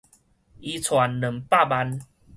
伊攢兩百萬